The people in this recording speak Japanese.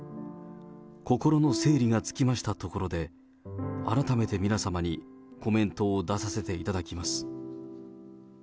心の整理がつきましたところで、改めて皆様にコメントを出させていただきます。